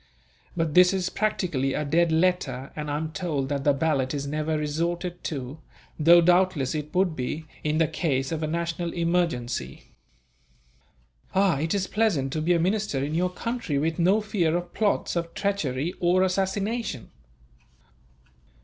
But this is practically a dead letter, and I am told that the ballot is never resorted to; though doubtless it would be, in the case of a national emergency." "Ah! It is pleasant to be a minister in your country, with no fear of plots, of treachery, or assassination.